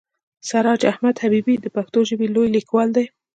سراج احمد حبیبي د پښتو ژبې لوی لیکوال دی.